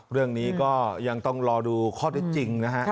เรื่องนี้ก็ยังต้องรอดูข้อได้จริงนะฮะ